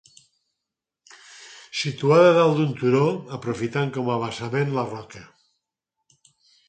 Situada dalt d'un turó, aprofitant com a basament la roca.